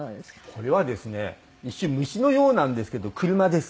これはですね一瞬虫のようなんですけど車です。